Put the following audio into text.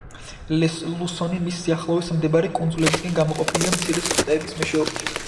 ლუსონი მის სიახლოვეს მდებარე კუნძულებისგან გამოყოფილია მცირე სრუტეების მეშვეობით.